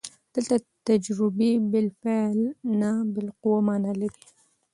دلته تجربې بالفعل نه، بالقوه مانا لري.